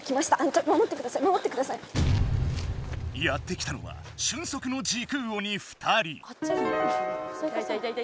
やって来たのはしゅん足の時空鬼２人。